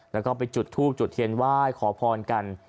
แล้วก็ไปจุดทูบจุดเทียนไหว้ขอพรกัน